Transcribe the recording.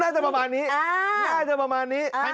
น่าจะประมาณนี้น่าจะประมาณนี้